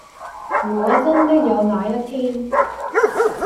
如果真的有那一天